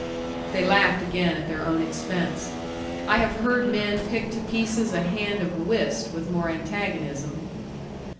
They laughed again at their own expense. I have heard men pick to pieces a hand of whist with more antagonism.